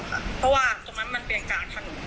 เพราะว่าตรงนั้นมันเปลี่ยนการทางถัง